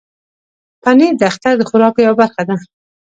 پنېر د اختر د خوراکو یوه برخه ده.